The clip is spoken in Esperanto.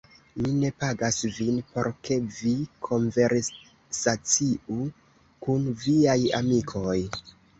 Mi ne pagas vin, por ke vi konversaciu kun viaj amikoj.